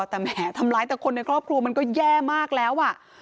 แต่แหมทำร้ายแต่คนในครอบครัวมันก็แย่มากแล้วอ่ะ